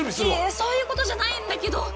いやいやそういうことじゃないんだけど。